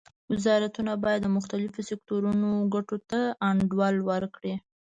وزارتونه باید د مختلفو سکتورونو ګټو ته انډول ورکړي